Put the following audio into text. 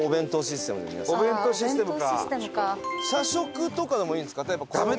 お弁当システムか。